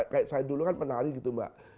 kayak saya dulu kan penari gitu mbak